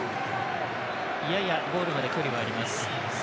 ややゴールまで距離はあります。